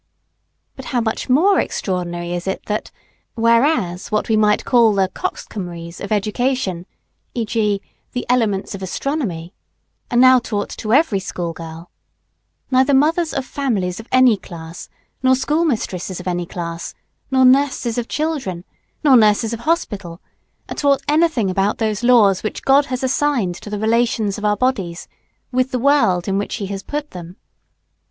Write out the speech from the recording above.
But how much more extraordinary is it that, whereas what we might call the coxcombries of education e.g., the elements of astronomy are now taught to every school girl, neither mothers of families of any class, nor school mistresses of any class, nor nurses of children, nor nurses of hospitals, are taught anything about those laws which God has assigned to the relations of our bodies with the world in which He has put them.